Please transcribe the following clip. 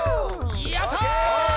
やった！